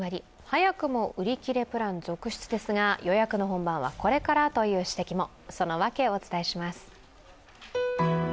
早くも売り切れプラン続出ですが、予約の本番はこれからという指摘も。